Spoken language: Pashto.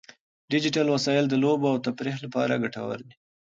ډیجیټل وسایل د لوبو او تفریح لپاره ګټور دي.